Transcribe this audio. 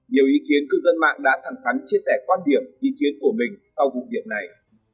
nhiều ý kiến cư dân mạng đã thẳng thắn chia sẻ quan điểm ý kiến của mình sau vụ việc này